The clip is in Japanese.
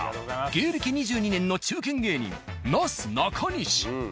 芸歴２２年の中堅芸人なすなかにし。